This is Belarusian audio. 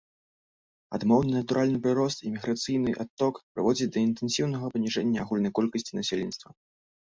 Адмоўны натуральны прырост і міграцыйны адток прыводзяць да інтэнсіўнага паніжэння агульнай колькасці насельніцтва.